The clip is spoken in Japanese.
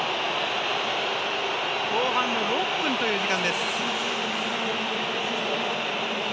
後半の６分という時間です。